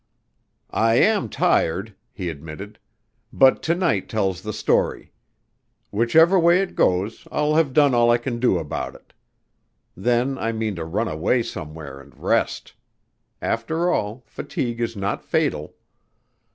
"I am tired," he admitted. "But to night tells the story. Whichever way it goes I'll have done all I can do about it. Then I mean to run away somewhere and rest. After all fatigue is not fatal."